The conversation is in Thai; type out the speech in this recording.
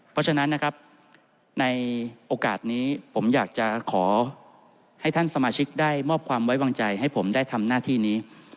เพราะฉะนั้นนะครับในโอกาสนี้ผมอยากจะขอให้ท่านสมาชิกได้มอบความไว้วางใจให้ผมได้ทำหน้าที่นี้